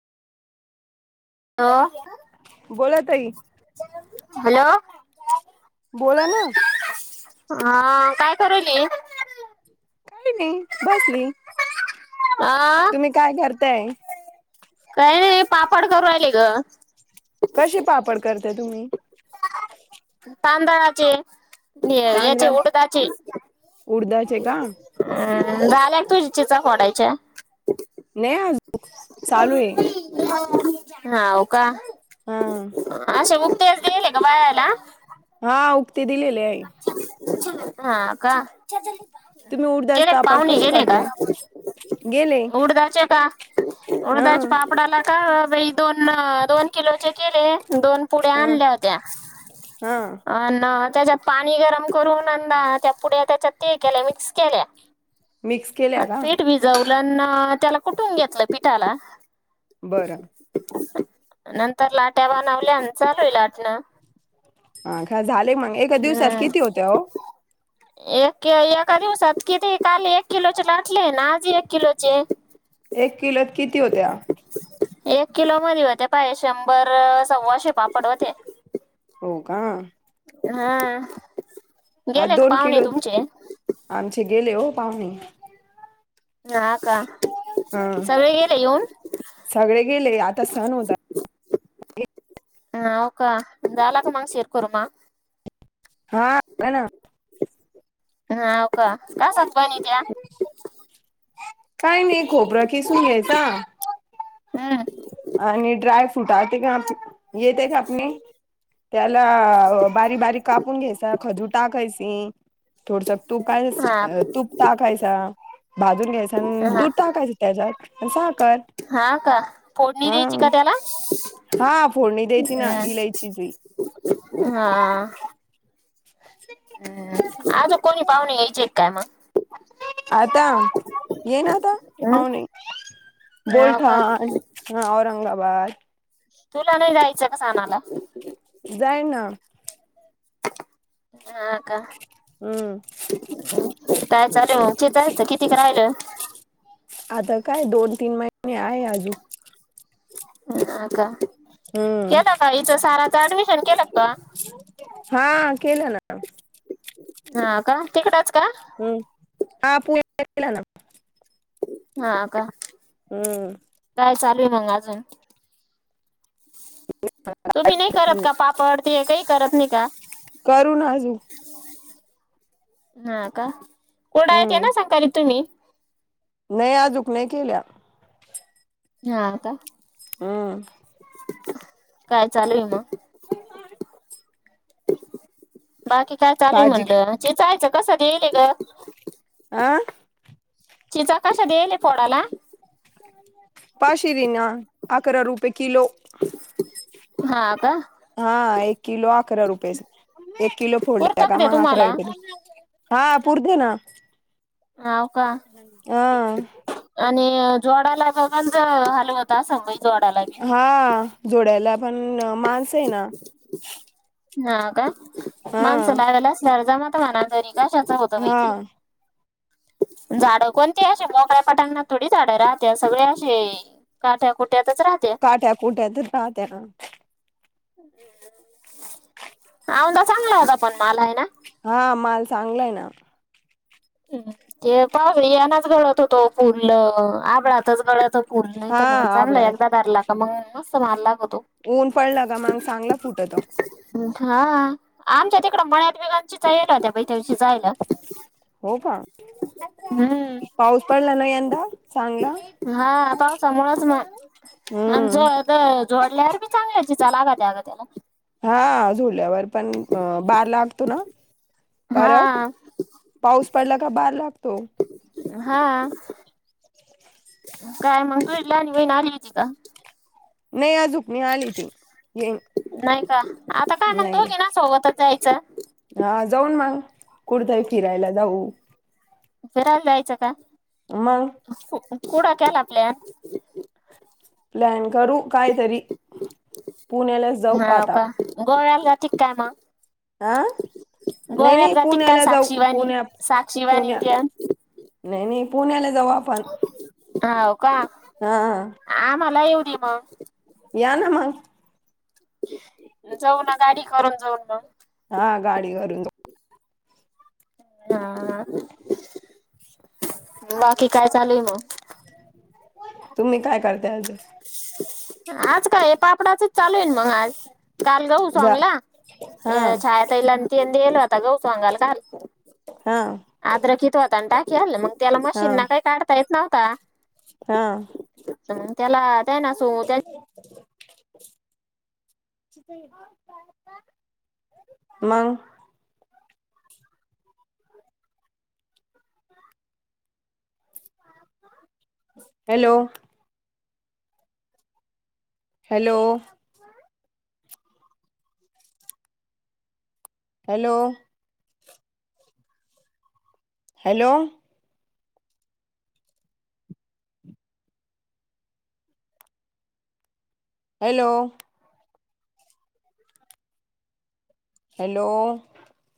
[unintelligible] बोला ताई. हॅलो. बोला ना. हा काय करायली? काय नाही बसली. अ तुम्ही काय करताय? काय नाय, पापड करून राहिले ग. कशे पापड करताय तुम्ही? तांदळाचे याचे तांदळाचे उडदाचे उडदाचे का अ झाल्या तुझ्या चिचा फोडायच्या. नाही अजून चालुये हाव का हा असे उक्तेच दिले का बायाला हा उक्ते दिलेले आहे हाव का तुम्ही उडदाच गेलेत पापड पावणे कसे गेले का. करत्या गेले उडदाचे का हा उडदाच्या पापडाला का बाई दोन दोन किलोचे केले दोन पुड्या हा आणल्या होत्या हा अन् त्याच्यात पाणी गरम करून अंदा त्या पुढ्या त्याच्यात ते केल्या मिक्स केल्या मिक्स केल्या का जवलन ना त्याला कुठून घेतलं पिठाला बरं नंतर लाट्या बनवल्या आणि चालूय लाटणं हा का झाले मग एका दिवसात हम्म. किती होत्या ओ एक एका दिवसात किती काल एक किलोचे लाटले ना आज एक किलोचे एक किलोत किती होत्या एक किलो मध्ये होते पाये शंभर सव्वाशे पापड होते हो का हा हा गेले का दोन पाहुणे किलो तुमचे? आमचे गेले ओ पाहुणे हा का हा सगळे गेले येऊन सगळे गेले आता सण होता हाव का झाला का मग शेव कुरमा हा झाला ना हाव का कसाच बनित्या काय नाही खोबरा कीसून घ्यायचा हा आणि ड्राय फ्रूट आ ते का येते कापने त्याला बारीक कापून घ्यायचा खजूर टाकायची थोडस तूप काय हा तूप ताकायच भाजून घ्यायचा आणि हा दूध टाकायच त्याच्यात साखर हा का फोडणी द्यायची का हा त्याला हा फोडणी द्यायची ना इलायचीची हा [inaudible] हा अजून कोणी पावणे यायचेत का मग आता ये ना आता हम् पाहुणे हो का बुलढाण हा औरंगाबाद तुला नाही जायचं का सनाला जाईन ना हा का हम् काय चाले [unintelligible] जायचं किती क रायलं आता काय दोन तीन महिने आहे अजू हा का? हम्म केलं का? हिचं साराचं ऍडमिशन केलं का त्वा? हा, केलं ना. हा का? तिकडंच का? हम्म. हा पुहे [unintelligible] हा का? हम्म. काय चालू हे मग अजून? तुम्ही नाही करत का पापड, ते, काही करत नाही का? करू ना अजूक हा का? कुठं हाय ते हम्म नाय सांगाले तुम्ही. नाही अजूक नाही केल्या. हा, का? हम्म. काय चालेल मग? बाकी काय चालेल भाजी म्हणलं? चेचायचं कसं केलंय ग? अ चिचा कशा दियेले फोडाला? पाशिरीन ना? अकरा रुपये किलो. हं. हा, एक किलो अकरा रुपये एक किलो फोडले पुरता का? ते मग अकरा तुम्हाला रुपये दे. हा पुरतीय नां. हाव का? हा आणि जोडाला बघलचं अ हलवता सांगय जोडाला बी. हा. जोडायला पण माणसं आहे ना. हा का? हा माणसं लावेला असल्यार जमतं मना तरी. तशाचं होतं बाई हा की. झाडं कोणती अशी मोकळ्या पटांगणात थोडी झाडं राहत्यात, सगळे अशी काट्या कुट्यातच राहतेय. काट्या कुट्यातच राहत्यानं. औंदा चांगला होता, पण माल आहे ना हा माल चांगलाय ना. ते बाभळी यांनाच गळत होतो पुढलं आभाळतच गळला तर फुल नाही हा तर मग चांगलं हाय, आबडात एकदा धरला तर मग मस्त मालदार होतो. ऊन पडलं का मग चांगलं फुटतं. हा आमच्या तिकडं मळ्यात बी [unintelligible] बाई त्यादिवशी जायला. हो का? हम्म पाऊस पडला ना यंदा? चांगला? हा पाऊस चांगलाच हो आणि जो हम्म आता जोडल्यावर मी चांगला चिंचा लागलं त्याला. हा झुल्यावर पण बार लागतो ना? परत हा पाऊस पडला का बार लागतो हा. काय मंग तुझी लहान बहीण आली होती का? नाही आजूक, नाही आली ती. येईन नाही का? नाही. त्या सोबतच जायचं. हा जाऊन मग. कुठं तरी फिरायला जाऊ. फिरायला जायचं का? मंग कुट केला प्लॅन? प्लॅन करू कायतरी पुण्यालाच जाऊ हाव आता. का गोव्याला जाती का काय मंग? हं नाही नाही जाती काय पुण्याला जाऊ साक्षीवाणी? पुण्या साक्षीवाणी पुण्या त्या नाही नाही पुण्याला जाऊ आप. होव का हा आम्हाला येऊ दे मग. या ना मंग. जाऊ ना गाडी करून जाऊ ना. हा गाडीवरून जाऊ. हा बाकी काय चालूय मग? तुम्ही काय करताय आज? आज काय पापडाचच चालू आहे मग आज काल गऊ जा सोंगला. हा छाया ताईला तेन दिल होत गहू चंगायला. हा आद्रकित होता आणि टाकी आणलं मग त्याला हा मशीनना काही काढता येत नव्हता. हा. त्याला त्या ना अस मंग. Hello. Hello. Hello. Hello. Hello. Hello.